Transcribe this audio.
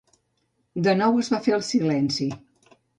De nou es va fer el silenci;